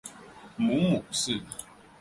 母母氏。